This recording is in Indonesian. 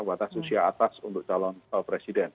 batas usia atas untuk calon presiden